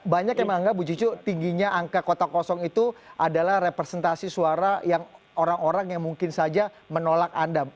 banyak yang menganggap ibu cicu tingginya angka kota kosong itu adalah representasi suara yang orang orang yang mungkin saja menolak anda